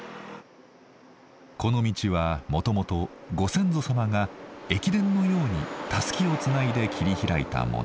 この道はもともとご先祖様が駅伝のようにたすきをつないで切り開いたもの。